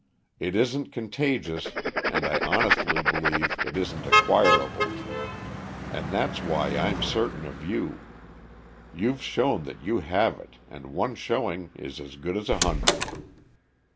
It isn't contagious, and I honestly believe it isn't acquirable. And that's why I'm certain of you. You've shown that you have it, and one showing is as good as a hundred."